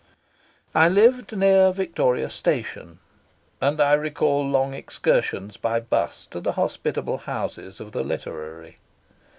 I lived near Victoria Station, and I recall long excursions by bus to the hospitable houses of the literary.